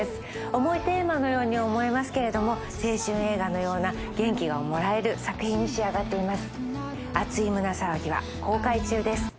重いテーマのように思えますけれども青春映画のような元気がもらえる作品に仕上がっています。